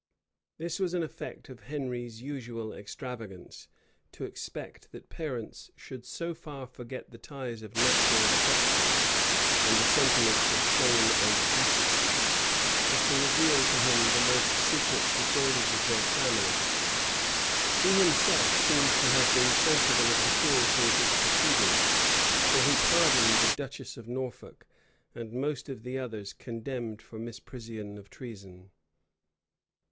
This was an effect of Henry's usual extravagance, to expect that parents should so far forget the ties of natural affection, and the sentiments of shame and decency, as to reveal to him the most secret disorders of their family. He himself seems to have been sensible of the cruelty of this proceeding; for he pardoned the duchess of Norfolk and most of the others condemned for misprision of treason.